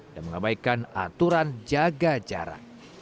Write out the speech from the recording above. dan mengabaikan aturan jagajara